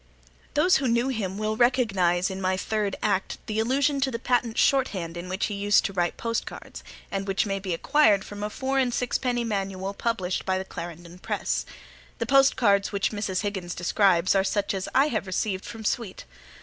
Those who knew him will recognize in my third act the allusion to the patent Shorthand in which he used to write postcards, and which may be acquired from a four and six penny manual published by the Clarendon Press. The postcards which Mrs. Higgins describes are such as I have received from Sweet.